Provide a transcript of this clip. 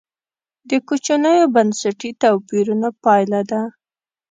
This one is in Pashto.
د کوچنیو بنسټي توپیرونو پایله ده.